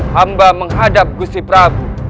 hamba menghadap gusti prabu